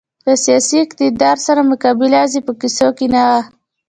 له سیاسي اقتدار سره مقابله یوازې په کیسو کې نه وه.